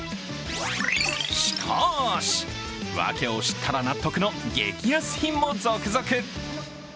しかーし、ワケを知ったら納得の激安品も続々。